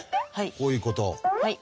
こういうこと。